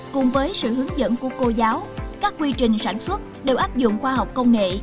cùng với sự hướng dẫn của cô giáo các quy trình sản xuất đều áp dụng khoa học công nghệ